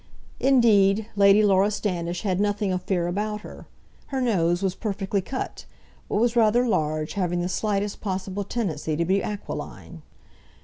Indeed, Lady Laura Standish had nothing of fear about her. Her nose was perfectly cut, but was rather large, having the slightest possible tendency to be aquiline.